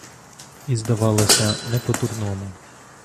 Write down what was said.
І здавалося — не по-дурному.